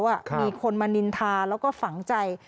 มีคนมานินทาแล้วก็ฝังใจ